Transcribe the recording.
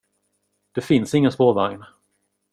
Det finns ingen spårvagn.